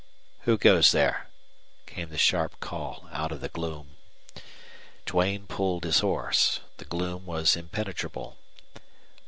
"Who goes there?" came the sharp call out of the gloom. Duane pulled his horse. The gloom was impenetrable.